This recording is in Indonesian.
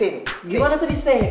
gimana tadi c